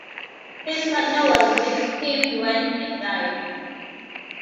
His partner was with him when he died.